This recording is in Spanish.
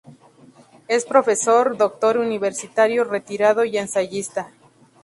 Es profesor doctor universitario retirado y ensayista.